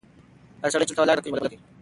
هغه سړی چې دلته ولاړ دی، زموږ د کلي ملک دی.